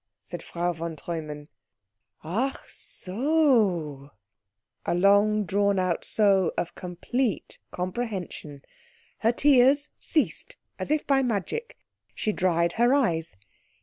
_" said Frau von Treumann, "ach so o o o!" a long drawn out so of complete comprehension. Her tears ceased as if by magic. She dried her eyes.